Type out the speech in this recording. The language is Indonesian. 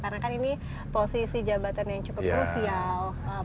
karena kan ini posisi jabatan yang cukup krusial